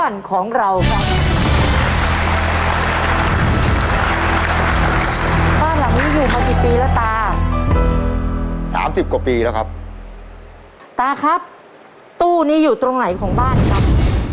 สามสิบกว่าปีแล้วครับตาครับตู้นี้อยู่ตรงไหนของบ้านครับ